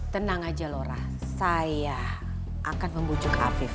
tenang aja lora saya akan membujuk afif